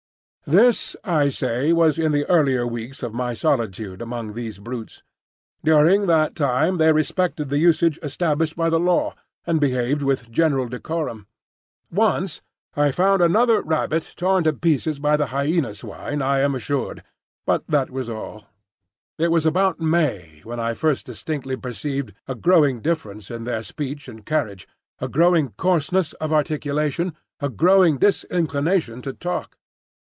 This, I say, was in the earlier weeks of my solitude among these brutes. During that time they respected the usage established by the Law, and behaved with general decorum. Once I found another rabbit torn to pieces,—by the Hyena swine, I am assured,—but that was all. It was about May when I first distinctly perceived a growing difference in their speech and carriage, a growing coarseness of articulation, a growing disinclination to talk.